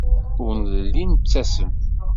Ur nelli nettasem.